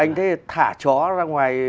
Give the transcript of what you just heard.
anh thấy thả chó ra ngoài